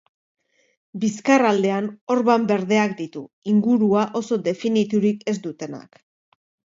Bizkarraldean orban berdeak ditu, ingurua oso definiturik ez dutenak.